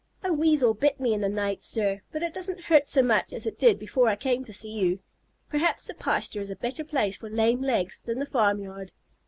"A Weasel bit me in the night, sir. But it doesn't hurt so much as it did before I came to see you. Perhaps the pasture is a better place for lame legs than the farmyard."